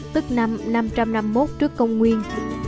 tức năm năm trăm năm mươi một trước công nguyên